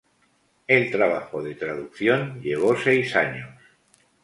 El trabajo de traducción llevó seis años.